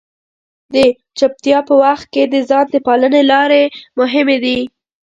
د چپتیا په وخت کې د ځان د پالنې لارې مهمې دي.